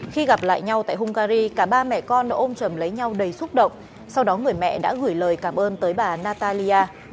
khi gặp lại nhau tại hungary cả ba mẹ con đã ôm trầm lấy nhau đầy xúc động sau đó người mẹ đã gửi lời cảm ơn tới bà natalya